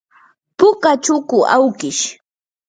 puka chuku awkish.